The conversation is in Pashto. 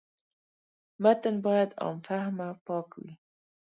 متن باید عام فهمه او پاک وي.